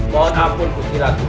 mohon ampun kunci ratu